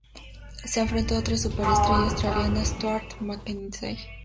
Se enfrentó a otra super estrella australiana, Stuart Mackenzie.